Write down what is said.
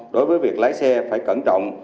đối với việc lái xe phải cẩn trọng